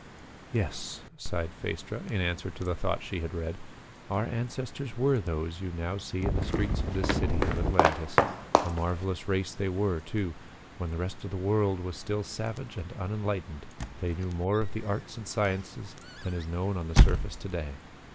"Yes," sighed Phaestra, in answer to the thought she had read, "our ancestors were those you now see in the streets of this city of Atlantis. A marvelous race they were, too. When the rest of the world was still savage and unenlightened, they knew more of the arts and sciences than is known on the surface to day.